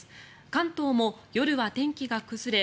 関東も夜は天気が崩れ